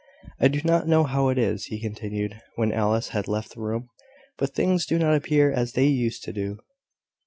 I do not know how it is," he continued, when Alice had left the room, "but things do not appear as they used to do.